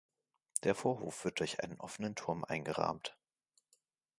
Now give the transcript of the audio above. Der Vorhof wird durch einen offenen Turm eingerahmt.